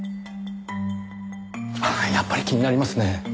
ああやっぱり気になりますね。